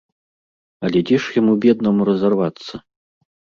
Але дзе ж яму беднаму разарвацца.